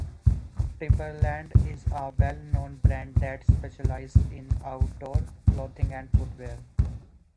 Timberland is a well-known brand that specializes in outdoor clothing and footwear.